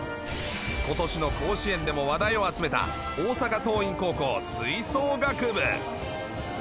今年の甲子園でも話題を集めた大阪桐蔭高校吹奏楽部。